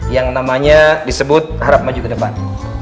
yang namanya disebut harap maju ke depan